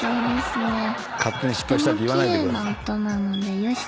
勝手に失敗したって言わないでください。